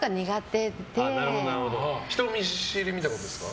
人見知りみたいなことですか。